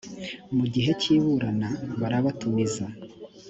mu gihe cy iburana barabatumiza